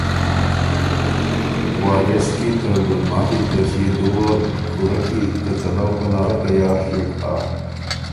وارث کی ته ګلماتی ته ݭيې دُوه وارث کی ته څَلؤ پناره تیار ݭیوک هۀ